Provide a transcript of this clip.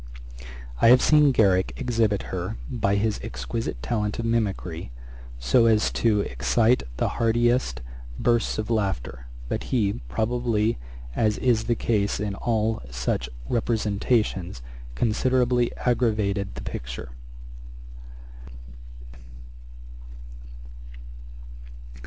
I have seen Garrick exhibit her, by his exquisite talent of mimickry, so as to excite the heartiest bursts of laughter; but he, probably, as is the case in all such representations, considerably aggravated the picture.